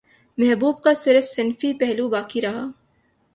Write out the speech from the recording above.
محبوب کا صرف صنفی پہلو باقی رہا